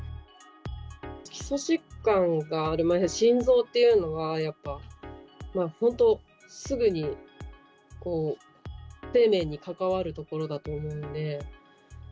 基礎疾患がある、心臓っていうのがやっぱ、本当すぐに生命に関わるところだと思うので。